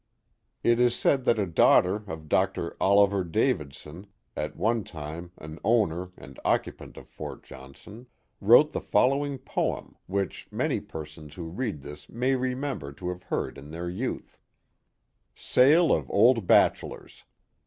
It is said that a daughter of Dr. Oliver Davidson, at one time an owner and occupant of Fort 1 54 Tl^ iHtohawk Valley Johnson, wrote the following poem, which many persons who read this may remember to have heard in their youth: SALS OF OLD BACHELORS.